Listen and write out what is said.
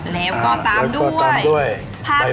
แล้วก็ตามด้วย